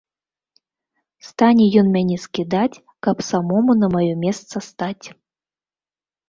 Стане ён мяне скідаць, каб самому на маё месца стаць.